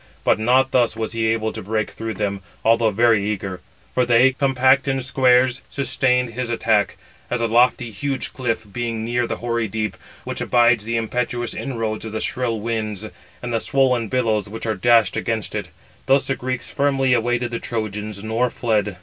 But not thus was he able to break through them, although very eager; for they, compact in squares, sustained his attack, as a lofty, huge cliff, being near the hoary deep, which abides the impetuous inroads of the shrill winds, and the swollen billows which are dashed against it. Thus the Greeks firmly awaited the Trojans, nor fled.